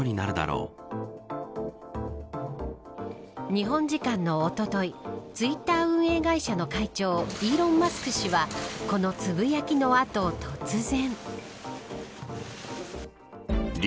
日本時間のおとといツイッター運営会社の会長イーロン・マスク氏はこのつぶやきの後、突然。